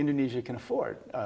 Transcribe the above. indonesia bisa melakukannya